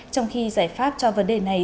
trong khi giải pháp cho vấn đề này